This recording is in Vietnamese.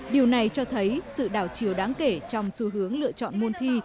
điều này cho thấy sự đảo chiều đáng kể trong xu hướng lựa chọn môn thi